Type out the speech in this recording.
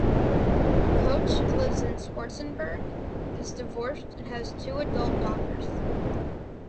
Koch lives in Schwarzenburg is divorced and has two adult daughters.